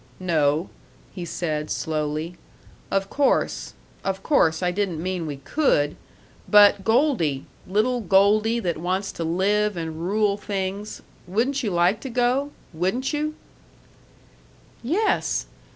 "No," he said, slowly. "Of course of course I didn't mean we could; but Goldie, little Goldie that wants to live and rule things, wouldn't you like to go? Wouldn't you?" "Yes!...